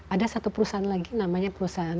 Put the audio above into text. ada satu perusahaan lagi namanya perusahaan